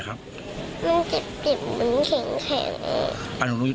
มันเก็บเหมือนเข็ง